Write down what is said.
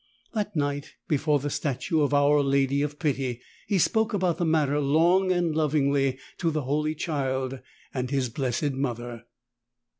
That night before the statue of Our Lady of Pity he spoke about the matter long and lovingly to the Holy Child and His Blessed Mother.